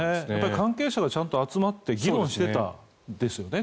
関係者がちゃんと集まって議論していたんですよね。